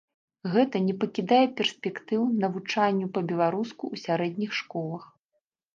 Гэта не пакідае перспектыў навучанню па-беларуску ў сярэдніх школах.